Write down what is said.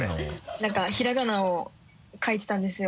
何かひらがなを書いてたんですよ。